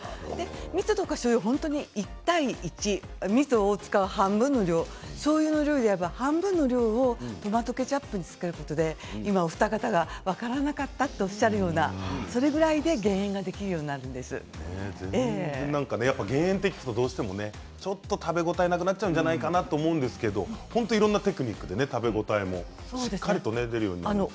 うまみでコクを出すというのは減塩の基本みそを使う半分の量しょうゆの量でいえば半分の量をトマトケチャップにすることでお二方が分からなかったとおっしゃるようなそれぐらいで減塩が減塩って聞くとちょっと食べ応えがなくなっちゃうんじゃないかなと思うんですけどいろんなテクニックで食べ応えもしっかり出るようになるんですね。